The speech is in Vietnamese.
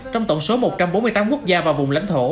trong tổng số một trăm bốn mươi tám quốc gia và vùng lãnh thổ